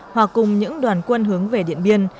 hòa cùng những đoàn quân hướng về điện biên